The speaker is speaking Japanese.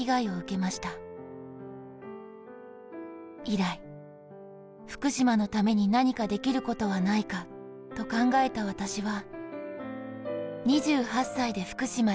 「以来、福島のためになにかできることはないかと考えた私は、」